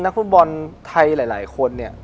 นักผู้บอลไทยหลายคนเนี้ย